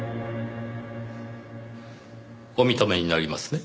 お認めになりますね？